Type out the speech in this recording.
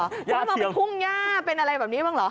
ไม่มองเป็นพุ่งหญ้าเป็นอะไรแบบนี้บ้างเหรอ